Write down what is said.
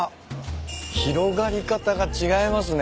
広がり方が違いますね。